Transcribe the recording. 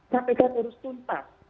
kpk harus tuntas